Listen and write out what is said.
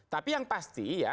tapi yang pasti ya